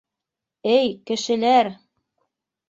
Эй, кешеләр!